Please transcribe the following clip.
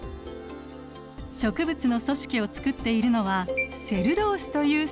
植物の組織を作っているのはセルロースという繊維。